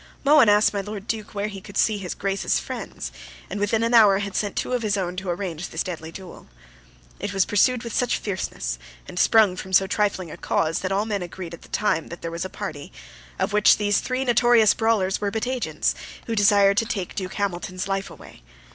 Mohun asked my Lord Duke where he could see his Grace's friends, and within an hour had sent two of his own to arrange this deadly duel. It was pursued with such fierceness, and sprung from so trifling a cause, that all men agreed at the time that there was a party, of which these three notorious brawlers were but agents, who desired to take Duke Hamilton's life away.